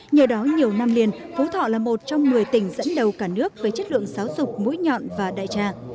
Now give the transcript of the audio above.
nhờ đó nhiều năm liền phú thọ là một trong một mươi tỉnh dẫn đầu cả nước với chất lượng giáo dục mũi nhọn và đại trà